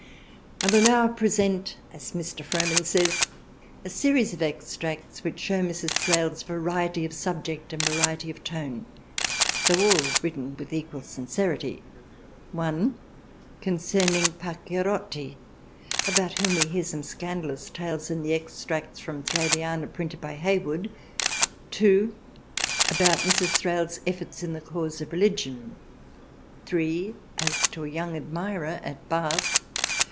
I will now present, as Mr. Frohman says, a series of extracts which shew Mrs, Thrale's variety of ^^ THRALIANA 29 subject and variety of tone though all written with equal sincerity (i) concerning Pacchierotti, about whom we hear some scandalous tales in the extracts from Thraliana printed by Hayward. (2) about Mrs. Thrale's efforts in the cause of religion. (3) as to a young admirer at Bath.